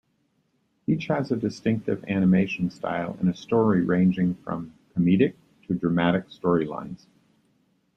Each has a distinctive animation style and story ranging from comedic to dramatic storylines.